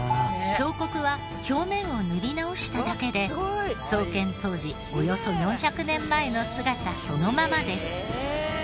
彫刻は表面を塗り直しただけで創建当時およそ４００年前の姿そのままです。